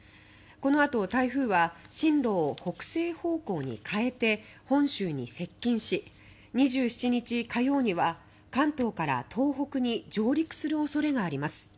このあと台風は進路を北西方向に変えて本州に接近し２７日、火曜には関東から東北に上陸する恐れがあります。